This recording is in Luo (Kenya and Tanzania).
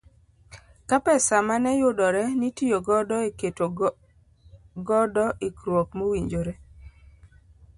Ka pesa mane yudore nitiyo godo e keto godo ikruok mowinjore.